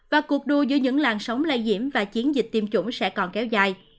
và cuộc đua giữa những làn sóng lây diễm và chiến dịch tiêm chủng sẽ còn kéo dài